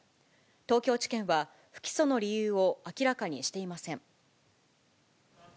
東京地検は、不起訴の理由を明らかにしていません。